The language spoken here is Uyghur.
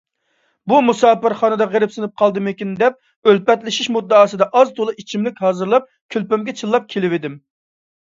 بۇ مۇساپىرخانىدا غېرىبسىنىپ قالدىمىكىن دەپ، ئۈلپەتلىشىش مۇددىئاسىدا ئاز - تولا ئىچىملىك ھازىرلاپ كۆلبەمگە چىللاپ كېلىۋىدىم.